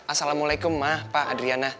assalamualaikum ma pa adriana